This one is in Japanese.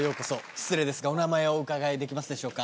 失礼ですがお名前をお伺いできますでしょうか？